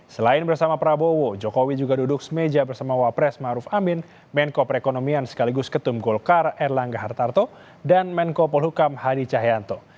selain bersama prabowo jokowi juga duduk semeja bersama wapres maruf amin menko perekonomian sekaligus ketum golkar erlangga hartarto dan menko polhukam hadi cahyanto